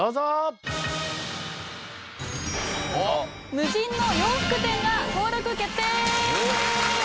無人の洋服店が登録決定！